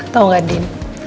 tau gak din